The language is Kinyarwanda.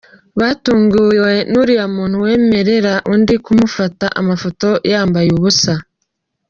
Batunguwe n’uriya muntu wemerera undi kumufata amafoto yambaye ubusa.